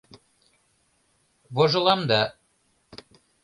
Вожылам да...